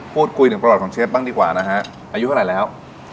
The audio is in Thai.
พูดถึงประวัติของเชฟบ้างดีกว่านะฮะอายุเท่าไหร่แล้ว